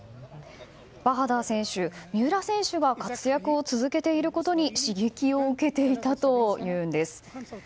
バハダー選手は、三浦選手が活躍を続けていることに刺激を受けていたというんです。